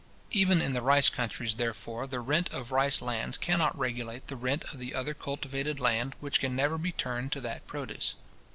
Even in the rice countries, therefore, the rent of rice lands cannot regulate the rent of the other cultivated land which can never be turned to that produce.